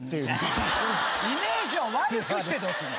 イメージを悪くしてどうすんだ。